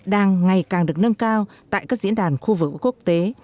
đang ngày càng được nâng cao tại các diễn đàn khu vực quốc tế